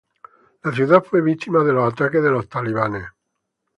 La ciudad fue víctima de los ataques de los talibanes.